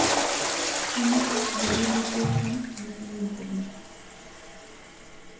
তিনি তার হ্যাবিলিটেশন সম্পন্ন করেন।